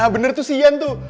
bener tuh sian tuh